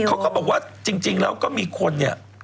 เขาก็บอกว่าจริงแล้วก็มีคนเนี่ย